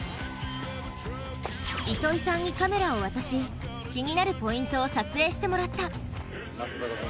糸井さんにカメラを渡し、気になるポイントを撮影してもらった。